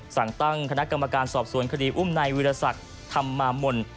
สั่งตั้งคณะกรรมการสอบสวนคดีอุ้มในวิทยาศักดิ์ทำมามนตร์